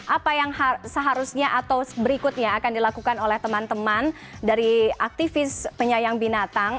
apa yang seharusnya atau berikutnya akan dilakukan oleh teman teman dari aktivis penyayang binatang